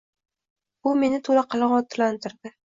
Bu meni to'la qanoatlantiradi.